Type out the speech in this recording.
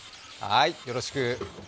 はい、よろしく。